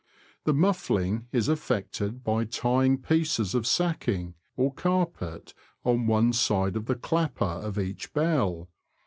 The muffling is effected by tying pieces of sacking, or carpet, on one side of the clapper of each bell.